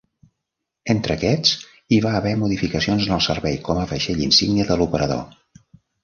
Entre aquests hi va haver modificacions en el servei com a vaixell insígnia de l'operador.